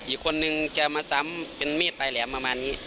อีกคนนึงจะมาซ้ำเป็นมีดปลายแหลมประมาณนี้